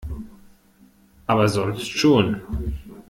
Aber sonst schon.